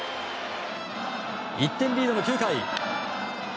１点リードの９回。